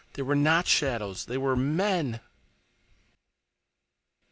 "They were not shadows. They were men!"